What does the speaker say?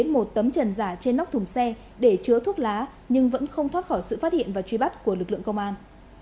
một tấm trần giả trên nóc thùng xe để chứa thuốc lá nhưng vẫn không thoát khỏi sự phát hiện và truy bắt của lực lượng công an